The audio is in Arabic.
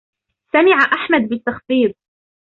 سمع احمد بالتخفيض